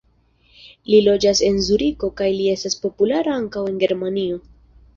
Li loĝas en Zuriko kaj li estas populara ankaŭ en Germanio.